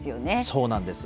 そうなんです。